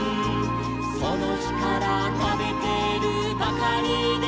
「そのひからたべてるばかりで」